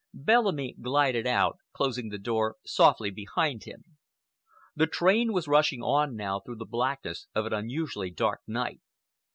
Bellamy glided out, closing the door softly behind him. The train was rushing on now through the blackness of an unusually dark night.